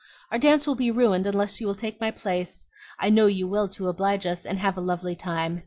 Our dance will be ruined unless you will take my place. I know you will to oblige us, and have a lovely time.